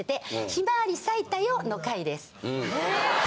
「ひまわり咲いたよ」の会。